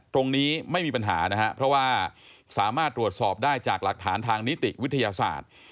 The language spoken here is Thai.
ตรงนี้ไม่มีปัญหานะครับเพราะว่าสามารถตรวจสอบได้จากหลักฐานทางนิติวิทยาศาสตร์